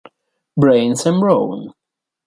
Brains and Brawn